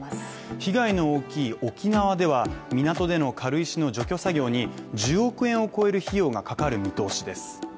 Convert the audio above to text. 被害の大きい沖縄では港での軽石の除去作業に１０億円を超える費用がかかる見通しです。